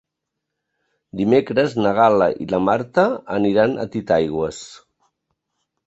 Dimecres na Gal·la i na Marta aniran a Titaigües.